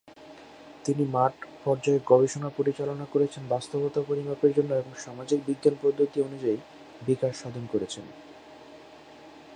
তিনি মাঠ পর্যায়ে গবেষণা পরিচালনা করেছেন বাস্তবতা পরিমাপের জন্য এবং সামাজিক বিজ্ঞান পদ্ধতি অনুযায়ী বিকাশ সাধন করেছেন।